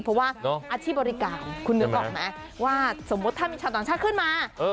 เพราะว่าอาชีพบริการคุณนึกออกไหมว่าสมมุติถ้ามีชาวต่างชาติขึ้นมา